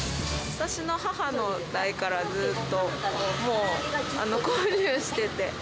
私の母の代からずっともう、購入してて。